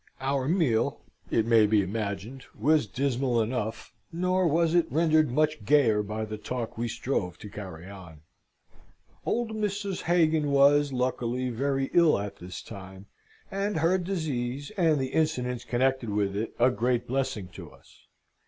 Our meal, it may be imagined, was dismal enough, nor was it rendered much gayer by the talk we strove to carry on. Old Mrs. Hagan was, luckily, very ill at this time; and her disease, and the incidents connected with it, a great blessing to us.